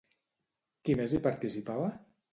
Qui més hi participava?